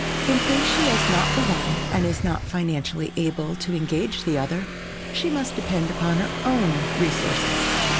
In case she has not the one and is not financially able to engage the other, she must depend upon her own resources.